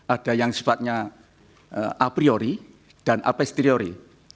ada yang sifatnya a priori dan apesteori